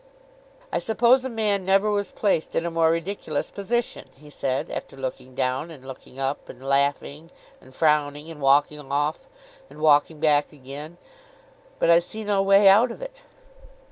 'I suppose a man never was placed in a more ridiculous position,' he said, after looking down, and looking up, and laughing, and frowning, and walking off, and walking back again. 'But I see no way out of it.